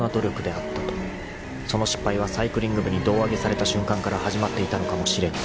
［その失敗はサイクリング部に胴上げされた瞬間から始まっていたのかもしれぬ］